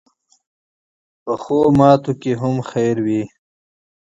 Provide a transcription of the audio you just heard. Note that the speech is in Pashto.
پخو ماتو کې هم خیر وي